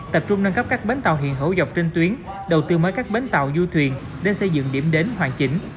tập trung nâng cấp các bến tàu hiện hữu dọc trên tuyến đầu tư mới các bến tàu du thuyền để xây dựng điểm đến hoàn chỉnh